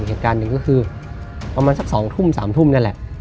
เหตุการณ์หนึ่งก็คือประมาณสัก๒ทุ่ม๓ทุ่มนั่นแหละ